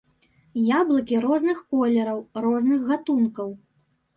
Яблыкі розных колераў, розных гатункаў.